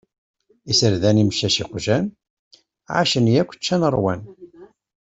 Iserdan, imcac, iqjan ; ɛacen yakk ččan ṛwan.